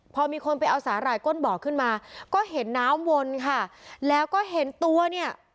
พอมีคนไปเอาสาหร่ายก้นบ่อขึ้นมาก็เห็นน้ำวนค่ะแล้วก็เห็นตัวเนี่ย